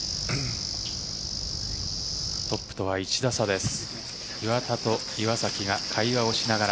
トップとは１打差です。